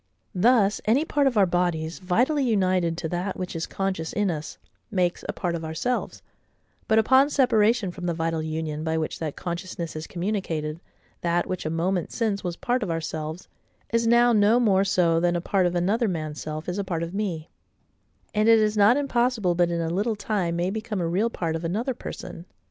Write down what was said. Thus any part of our bodies, vitally united to that which is conscious in us, makes a part of ourselves: but upon separation from the vital union by which that consciousness is communicated, that which a moment since was part of ourselves, is now no more so than a part of another man's self is a part of me: and it is not impossible but in a little time may become a real part of another person.